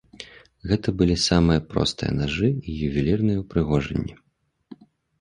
Гэта былі самыя простыя нажы і ювелірныя ўпрыгожанні.